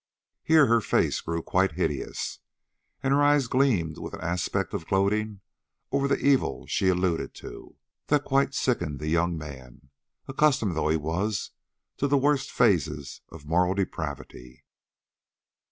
Here her face grew quite hideous, and her eyes gleamed with an aspect of gloating over the evil she alluded to, that quite sickened the young man, accustomed though he was to the worst phases of moral depravity.